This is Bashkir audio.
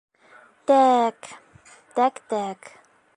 — Тә-әк, тәк-тәк...